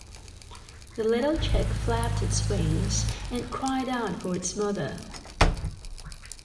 The little chick flapped its wings and cried out for its mother.